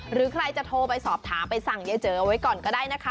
หรือใครจะโทรไปสอบถามไปสั่งยายเจ๋อไว้ก่อนก็ได้นะคะ